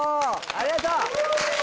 ・ありがとう！